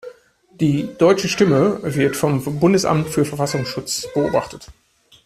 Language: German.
Die "Deutsche Stimme" wird vom Bundesamt für Verfassungsschutz beobachtet.